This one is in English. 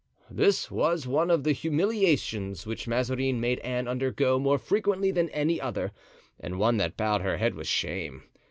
This was one of the humiliations which Mazarin made Anne undergo more frequently than any other, and one that bowed her head with shame.